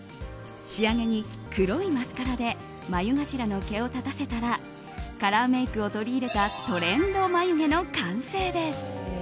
仕上げに黒いマスカラで眉頭の毛を立たせたらカラーメイクを取り入れたトレンド眉毛の完成です。